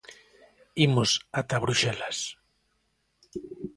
Imos ata Bruxelas...